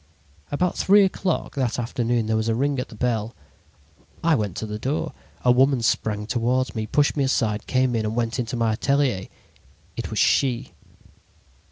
"About three o'clock that afternoon there was a ring at the bell. I went to the door. A woman sprang toward me, pushed me aside, came in and went into my atelier. It was she!